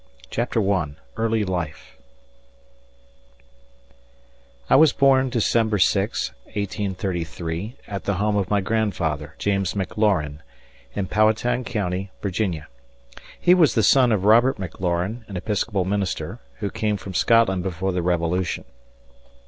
CHAPTER I EARLY LIFE I WAS born December 6, 1833, at the home of my grandfather, James McLaurine, in Powhatan County, Virginia. He was a son of Robert McLaurine, an Episcopal minister, who came from Scotland before the Revolution.